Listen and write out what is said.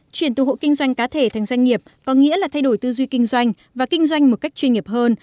chuyển từ hộ kinh doanh cá thể thành doanh nghiệp có nghĩa là thay đổi tư duy kinh doanh và kinh doanh một cách chuyên nghiệp hơn